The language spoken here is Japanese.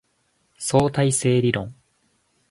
相対性理論